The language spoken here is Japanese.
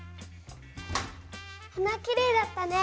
花きれいだったね。